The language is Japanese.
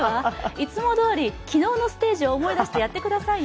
いつもどおり、昨日のステージを思い出して、やってくださいよ。